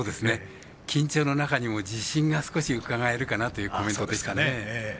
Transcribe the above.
緊張感の中にも自信がうかがえるかなというコメントですね。